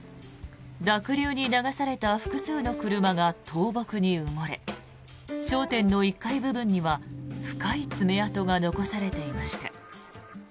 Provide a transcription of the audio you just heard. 濁流に流された複数の車が倒木に埋もれ商店の１階部分には深い爪痕が残されていました。